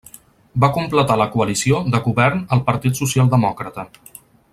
Va completar la coalició de govern el Partit Socialdemòcrata.